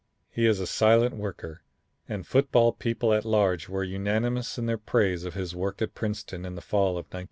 He is a silent worker, and football people at large were unanimous in their praise of his work at Princeton in the fall of 1915.